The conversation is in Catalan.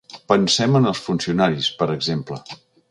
Pensem en els funcionaris, per exemple.